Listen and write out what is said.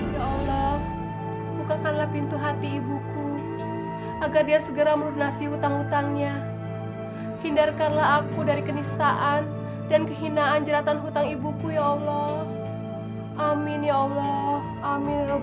ya allah bukakanlah pintu hati ibuku agar dia segera melurnasi hutang hutangnya hindarkanlah aku dari kenistaan dan kehinaan jeratan hutang ibuku ya allah amin ya allah amin rabbul alamin